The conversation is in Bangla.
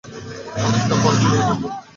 অনেকটা পরজীবির মতো।